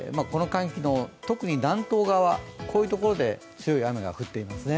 特に南東側、こういうところで強い雨が降っていますね。